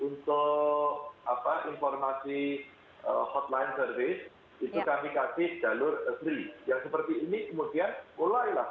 dan semoga yang kemudian kita ragu bisa membantu